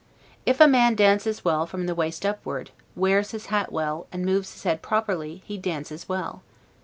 If a man dances well from the waist upward, wears his hat well, and moves his head properly, he dances well.